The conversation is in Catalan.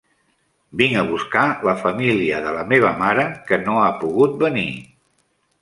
Vinc a buscar la família de la meva mare, que no ha pogut venir.